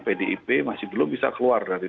pdip masih belum bisa keluar dari